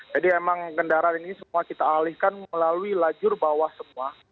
emang kendaraan ini semua kita alihkan melalui lajur bawah semua